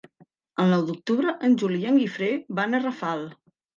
El nou d'octubre en Juli i en Guifré van a Rafal.